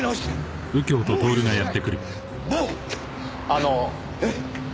あの。えっ！？